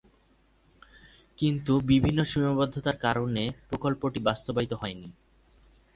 কিন্তু বিভিন্ন সীমাবদ্ধতার কারণে প্রকল্পটি বাস্তবায়িত হয়নি।